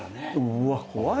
うわ怖い。